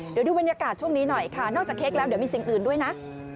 เดี๋ยวดูบรรยากาศช่วงนี้หน่อยค่ะนอกจากเค้กแล้วเดี๋ยวมีสิ่งอื่นด้วยนะ